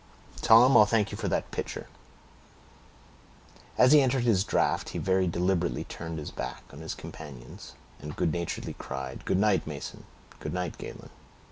"Tom, I'll thank you for that pitcher." As he ended his draft, he very deliberately turned his back on his companions, and good naturedly cried, "Good night, Mason; good night, Galen."